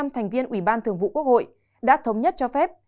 một trăm linh thành viên ủy ban thường vụ quốc hội đã thống nhất cho phép